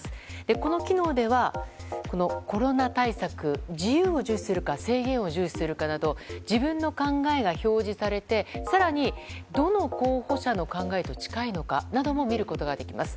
この機能では、コロナ対策自由を重視するか制限を重視するかなど自分の考えが表示されて更に、どの候補者の考えと近いのかなども見ることができます。